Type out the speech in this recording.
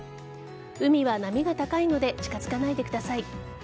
海は波が高いので近づかないでください。